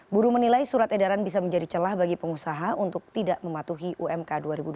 buruh menilai surat edaran bisa menjadi celah bagi pengusaha untuk tidak mematuhi umk dua ribu dua puluh